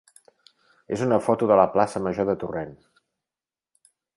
és una foto de la plaça major de Torrent.